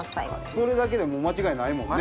これだけでも間違いないもんね。